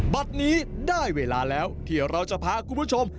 บัตรนี้ได้เวลาแล้วที่เราจะพาคุณผู้ชม